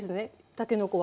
たけのこは。